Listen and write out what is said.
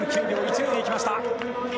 ２９．１４でいきました。